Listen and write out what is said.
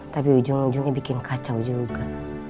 tapi ujung ujungnya bikin kacau juga